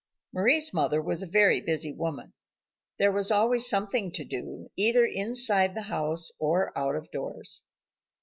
Mari's mother was a very busy woman. There was always something to do, either inside the house or out of doors.